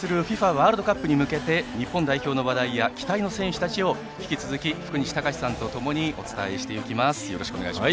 ワールドカップに向けて日本代表の話題や期待の選手たちを引き続き福西崇史さんとともにお伝えしていきます。